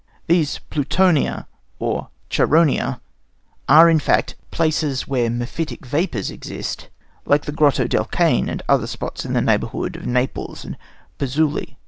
These "Plutonia" or "Charonia" are, in fact, places where mephitic vapours exist, like the Grotto del Cane and other spots in the neighbourhood of Naples and Pozzuoli.